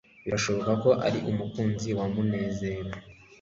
birashoboka ko ari umukunzi wa munezero